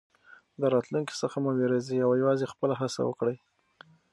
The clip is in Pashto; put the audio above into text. له راتلونکي څخه مه وېرېږئ او یوازې خپله هڅه وکړئ.